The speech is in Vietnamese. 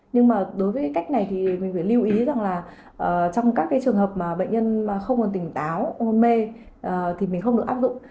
nhưng mà đối với cách này thì mình phải lưu ý rằng là trong các trường hợp mà bệnh nhân không còn tỉnh táo mê thì mình không được áp dụng